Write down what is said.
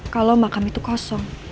kalau makam itu kosong